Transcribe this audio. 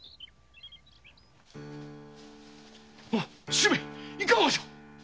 主馬いかがじゃ！